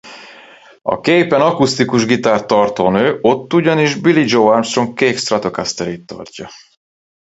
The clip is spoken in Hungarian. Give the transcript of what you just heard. A képen akusztikus gitárt tartó nő ott ugyanis Billie Joe Armstrong kék Stratocasterét tartja.